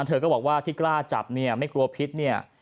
เธอก็บอกว่าที่กล้าจับเนี่ยไม่กลัวพิษเนี่ย